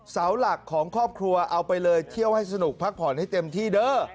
เสาหลักของครอบครัวเอาไปเลยเที่ยวให้สนุกพักผ่อนให้เต็มที่เด้อ